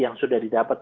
yang sudah didapat